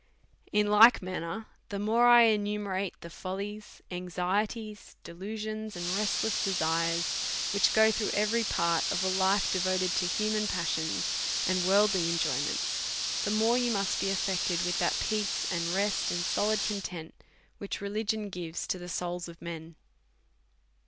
In like manner, the more I enumerate the follies, anxieties, delusions, and restless desires which go through every part of a life devoted to human passions and worldly enjoyments, the more you must be affect ed with that peace, and rest, and solid content, which religion oives to the souls of men.